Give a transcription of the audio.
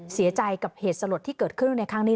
เสียใจกับเหตุสลดที่เกิดขึ้นในครั้งนี้